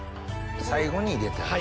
最後に入れて。